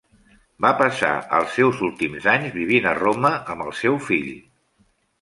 Va passar els seus últims anys vivint a Roma amb el seu fill.